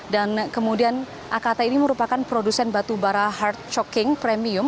dan kemudian akt ini merupakan produsen batubara hard choking premium